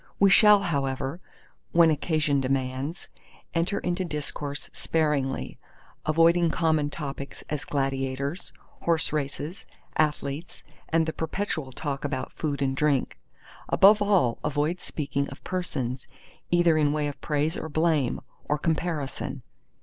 We shall, however, when occasion demands, enter into discourse sparingly. avoiding common topics as gladiators, horse races, athletes; and the perpetual talk about food and drink. Above all avoid speaking of persons, either in way of praise or blame, or comparison.